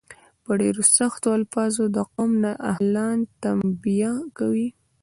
په ډیرو سختو الفاظو د قوم نا اهلان تنبیه کوي.